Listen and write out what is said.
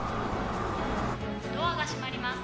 「ドアが閉まります。